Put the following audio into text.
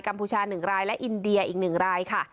กัมพูชา๑รายและอินเดียอีก๑ราย